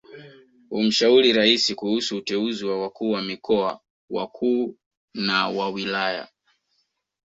Humshauri Raisi kuhusu uteuzi wa wakuu wa mikoa wakuu na wa wilaya